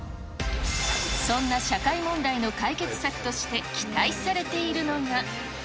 そんな社会問題の解決策として期待されているのが。